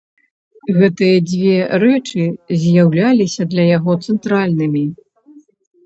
Гэтыя дзве рэчы з'яўляліся для яго цэнтральнымі.